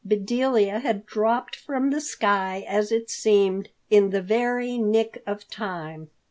Bedelia had dropped from the sky, as it seemed, in the very nick of time.